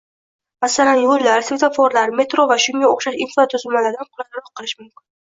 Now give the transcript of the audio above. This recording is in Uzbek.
Masalan, yoʻllar, svetoforlar, metro va shunga oʻxshash infratuzilmadan qulayroq qilish mumkin.